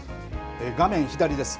画面左です。